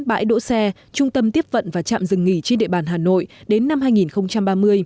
bãi đỗ xe trung tâm tiếp vận và trạm dừng nghỉ trên địa bàn hà nội đến năm hai nghìn ba mươi